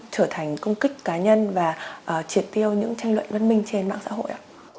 trở thành công kích cá nhân và triệt tiêu những tranh luận văn minh trên mạng xã hội ạ